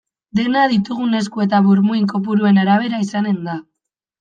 Dena ditugun esku eta burmuin kopuruen arabera izanen da.